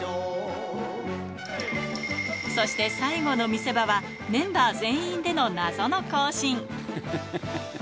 そして最後の見せ場は、メンバー全員での謎の行進。